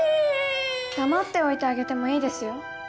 黙っておいてあげてもいいですよ。